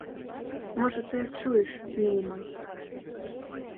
Можа, ты адчуеш, мілы мой.